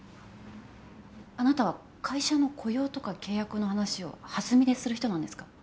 あなたは会社の雇用とか契約の話を弾みでする人なんですか？